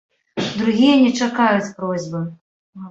Другія не чакаюць просьбы.